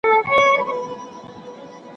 ټولې دروازې په سمه توګه بندي سوي.